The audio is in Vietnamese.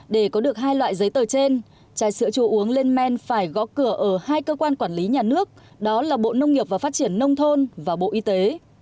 để có được hai loại giấy tờ trên trái sữa chua uống lên men phải gõ cửa ở hai cơ quan quản lý nhà nước đó là bộ nông nghiệp và phát triển nông thôn và bộ y tế